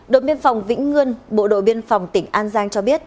đội biên phòng vĩnh ngươn bộ đội biên phòng tỉnh an giang cho biết